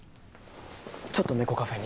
ちょっと猫カフェに。